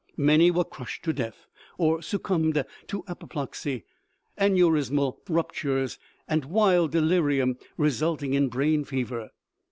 Many were crushed to death, or succumbed to apoplexy, aneurismal ruptures, and wild delirium resulting in brain fever.